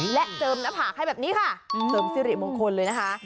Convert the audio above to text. และเจิมหน้าผากให้แบบนี้ค่ะเสริมสิริมงคลเลยนะคะ